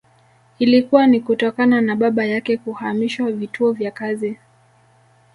Ilikuwa ni kutokana na baba yake kuhamishwa vituo vya kazi